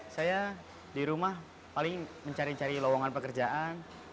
saya di rumah paling mencari cari lowongan pekerjaan